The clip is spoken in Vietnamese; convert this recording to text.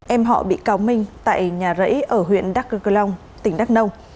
em họ bị cáo minh tại nhà rẫy ở huyện đắk cơ cơ long tỉnh đắk nông